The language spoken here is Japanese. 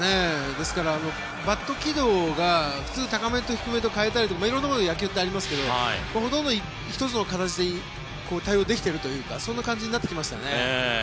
ですから、バット軌道が普通、高めと低めで変えたりと色んなこと野球ってありますけどほとんど１つの形で対応できているというかそんな感じになってきましたよね。